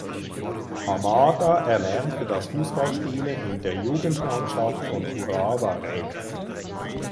Hamada erlernte das Fußballspielen in der Jugendmannschaft von Urawa Reds.